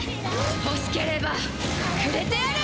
欲しければくれてやる！